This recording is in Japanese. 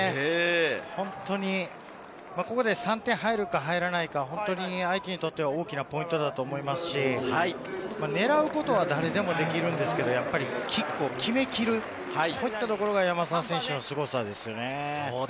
本当に、ここで３点が入るか入らないか、本当に相手にとっては大きなポイントだと思いますし、狙うことは誰でもできるんですけれど、キックを決めきる、こういったところが山沢選手のすごさですよね。